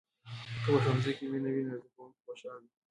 که په ښوونځي کې مینه وي، نو زده کوونکي خوشحال وي.